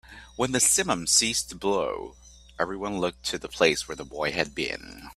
When the simum ceased to blow, everyone looked to the place where the boy had been.